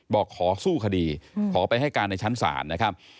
บอกขอสู้คดีขอไปให้การในชั้นศาลนะครับ